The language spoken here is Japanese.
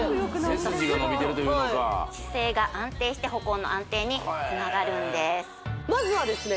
背筋が伸びてるというのか姿勢が安定して歩行の安定につながるんですまずはですね